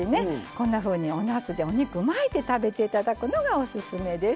こんなふうにおなすでお肉を巻いて食べていただくのがオススメです。